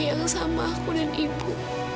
ayah yang sayang sama aku dan ibu